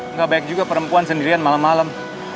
nggak baik juga perempuan sendirian malam malam